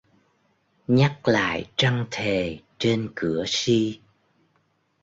Nhắc lại trăng thề trên cửa si